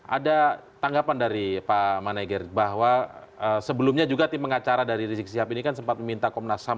ada tanggapan dari pak manager bahwa sebelumnya juga tim pengacara dari rizik sihab ini kan sempat meminta komnas ham